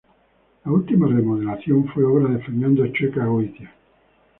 La última remodelación fue obra de Fernando Chueca Goitia.